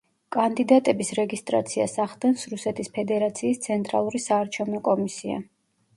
კანდიდატების რეგისტრაციას ახდენს რუსეთის ფედერაციის ცენტრალური საარჩევნო კომისია.